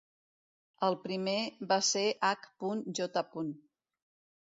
El primer va ser H. J.